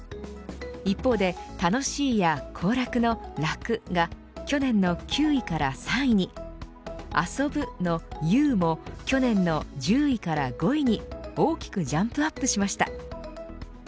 一方で、楽しいや行楽の楽が去年の９位から３位に遊ぶ、の遊も去年の１０位から５位に大きくジャンプアップしました。